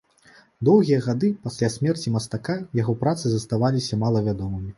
Доўгія гады пасля смерці мастака яго працы заставаліся малавядомымі.